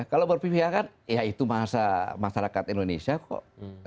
kalau berpihakan ya itu masyarakat indonesia kok